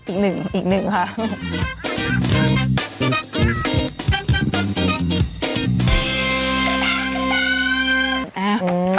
อีกหนึ่งอีกหนึ่งค่ะ